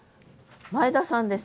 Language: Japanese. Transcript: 前田さんです。